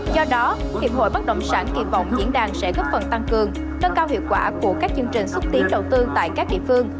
do đó hiệp hội bất động sản kỳ vọng diễn đàn sẽ góp phần tăng cường nâng cao hiệu quả của các chương trình xúc tiến đầu tư tại các địa phương